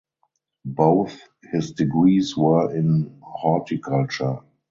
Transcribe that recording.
Both his degrees were in horticulture.